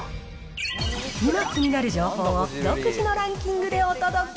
今気になる情報を独自のランキングでお届け。